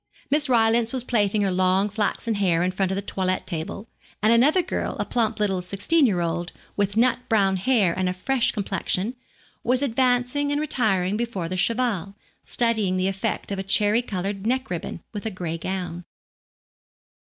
Miss Rylance was plaiting her long flaxen hair in front of the toilet table, and another girl, a plump little sixteen year old, with nut brown hair, and a fresh complexion, was advancing and retiring before the cheval, studying the effect of a cherry coloured neck ribbon with a gray gown.